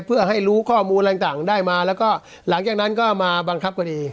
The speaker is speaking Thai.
เพื่อให้รู้ข้อมูลอะไรต่างได้มาแล้วก็หลังจากนั้นก็มาบังคับคดี